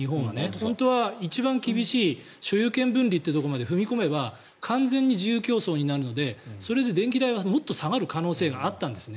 本当は一番厳しい所有権分離まで踏み込めば完全に自由競争になるのでそれで電気代はもっと下がる可能性があったんですね。